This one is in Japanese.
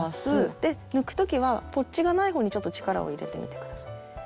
で抜く時はポッチがない方にちょっと力を入れてみて下さい。